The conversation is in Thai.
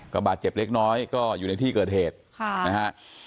ก็บาดเจ็บเล็กน้อยก็อยู่ในที่เกิดเหตุค่ะนะฮะ